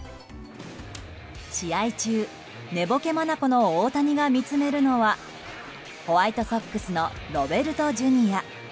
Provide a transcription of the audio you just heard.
試合中、寝ぼけ眼の大谷が見つめるのはホワイトソックスのロベルトＪｒ．。